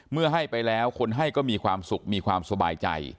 ให้ไปแล้วคนให้ก็มีความสุขมีความสบายใจ